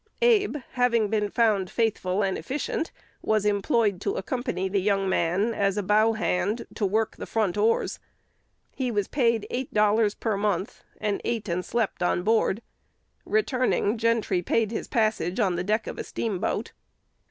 Abe, having been found faithful and efficient, was employed to accompany the young man as a "bow hand," to work the "front oars." He was paid eight dollars per month, and ate and slept on board. Returning, Gentry paid his passage on the deck of a steamboat.